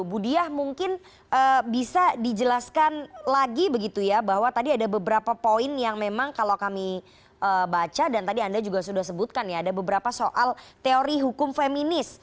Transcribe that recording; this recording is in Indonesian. bu diah mungkin bisa dijelaskan lagi begitu ya bahwa tadi ada beberapa poin yang memang kalau kami baca dan tadi anda juga sudah sebutkan ya ada beberapa soal teori hukum feminis